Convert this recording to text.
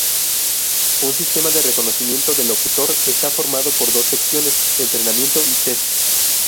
Un sistema de reconocimiento de locutor está formado por dos secciones: entrenamiento y test.